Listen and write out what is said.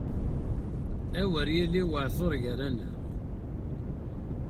A wer yili waɛtur gar-aneɣ!